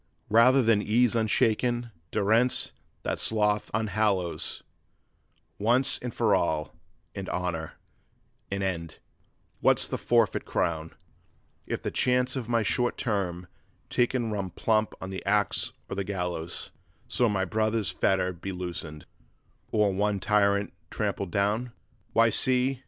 'Rather than ease unshaken, durance that sloth unhallows, Once and for all, in honor, an end: what's the forfeit crown If the chance of my short term taken run plump on the axe or the gallows, So one brother's fetter be loosened, or one tyrant trampled down? 'Why, see!